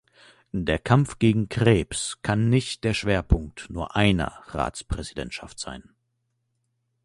Der Kampf gegen den Krebs kann nicht der Schwerpunkt nur einer Ratspräsidentschaft sein.